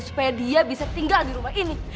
supaya dia bisa tinggal di rumah ini